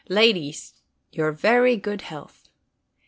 Ladies, your very good health!"